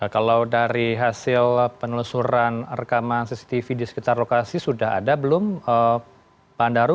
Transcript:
kalau dari hasil penelusuran rekaman cctv di sekitar lokasi sudah ada belum pak andaru